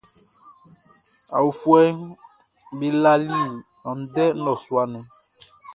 Aofuɛʼm be bali andɛ ndɔsua nun.